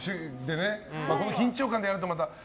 この緊張感でやるとまた。